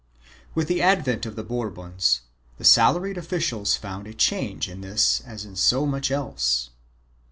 2 With the advent of the Bourbons the salaried officials found a change in this as in so much else.